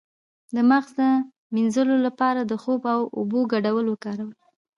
د مغز د مینځلو لپاره د خوب او اوبو ګډول وکاروئ